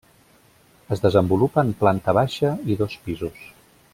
Es desenvolupa en planta baixa i dos pisos.